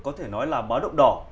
có thể nói là bó động đỏ